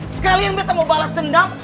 sekalian beta mau balas dendam